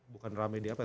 bukan rame di apa